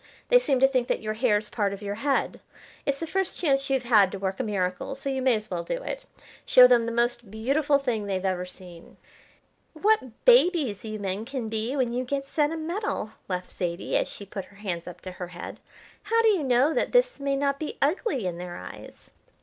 They seem to think that your hair's part of your head. It's the first chance you've had to work a miracle, so you may as well do it. Show them the most beautiful thing they've ever seen." "What babies you men can be when you get sentimental!" laughed Zaidie, as she put her hands up to her head. "How do you know that this may not be ugly in their eyes?"